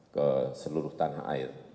ke seluruh tanah air